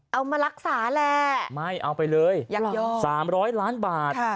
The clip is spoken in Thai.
เอามารักษาแหละไม่เอาไปเลย๓๐๐ล้านบาท